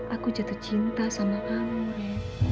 aku jatuh cinta sama kamu ren